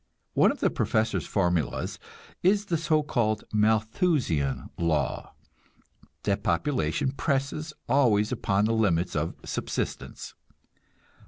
One of the professor's formulas is the so called "Malthusian law," that population presses always upon the limits of subsistence.